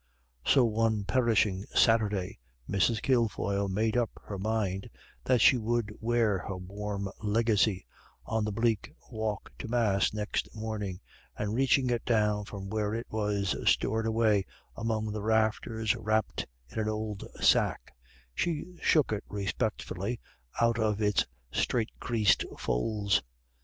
So one perishing Saturday Mrs. Kilfoyle made up her mind that she would wear her warm legacy on the bleak walk to Mass next morning, and reaching it down from where it was stored away among the rafters wrapped in an old sack, she shook it respectfully out of its straight creased folds.